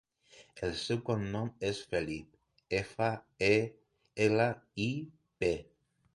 El seu cognom és Felip: efa, e, ela, i, pe.